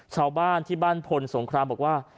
ชาวบ้านที่บ้านพลสงครามบอกว่า